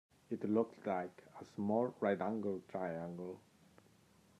It looked like a small right-angled triangle